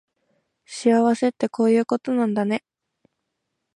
幸せってこういうことなんだね